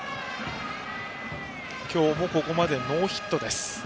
今日もここまでノーヒットです。